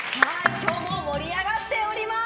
今日も盛り上がっております！